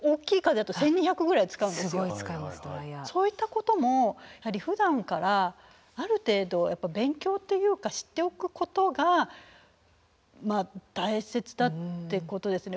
そういったこともやはりふだんからある程度勉強っていうか知っておくことがまあ大切だってことですね。